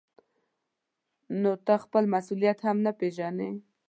نو ته خپل مسؤلیت هم نه پېژنې.